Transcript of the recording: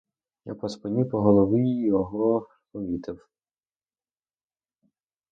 Я по спині, по голові його помітив.